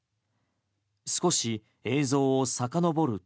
少し映像をさかのぼると。